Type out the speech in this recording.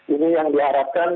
ini yang diharapkan